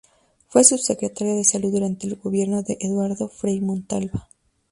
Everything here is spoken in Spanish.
Fue subsecretario de Salud durante el gobierno de Eduardo Frei Montalva.